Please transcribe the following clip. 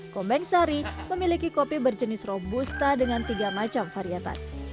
gombeng sari memiliki kopi berjenis robusta dengan tiga macam varietas